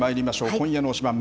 今夜の推しバン！